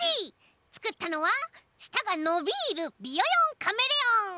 つくったのはしたがのびるビヨヨンカメレオン！